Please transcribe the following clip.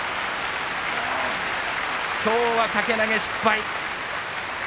きょうは掛け投げ、失敗。